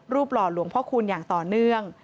หล่อหลวงพ่อคูณอย่างต่อเนื่อง